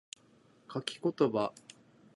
書き言葉